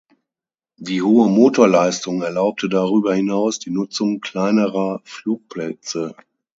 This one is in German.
Die hohe Motorleistung erlaubte darüber hinaus die Nutzung kleinerer Flugplätze.